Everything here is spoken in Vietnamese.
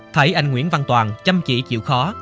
thấy anh nguyễn văn toàn chăm chỉ chịu khó